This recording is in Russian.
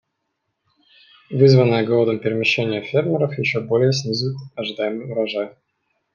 Вызванное голодом перемещение фермеров еще более снизит ожидаемый урожай.